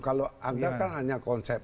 kalau anda kan hanya konsep